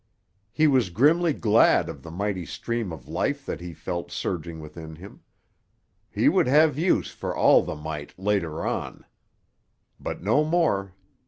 He was grimly glad of the mighty stream of life that he felt surging within him; he would have use for all the might later on. But no more.